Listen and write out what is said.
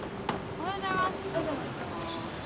おはようございます。